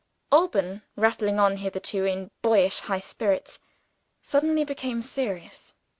Alban, rattling on hitherto in boyish high spirits, suddenly became serious.